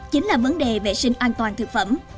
chính là vấn đề vệ sinh an toàn thực phẩm